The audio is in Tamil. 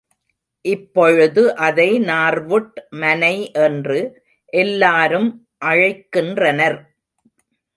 இப்பொழுது அதை நார்வுட் மனை என்று எல்லாரும் அழைக்கின்றனர்.